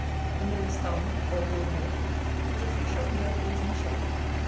The MILLER'S THUMB, or BULL HEAD, is a fish of no pleasing shape.